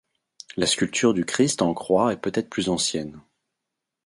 La sculpture du christ en croix est peut-être plus ancienne.